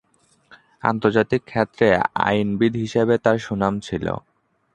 আন্তর্জাতিক ক্ষেত্রে আইনবিদ হিসেবে তার সুনাম ছিল।